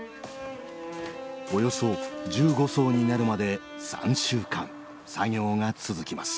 およそ１５層になるまで３週間作業が続きます。